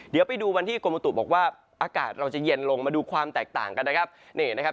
เดี๋ยวไปดูวันที่กรมตุบอกว่าอากาศเราจะเย็นลงมาดูความแตกต่างกันนะครับ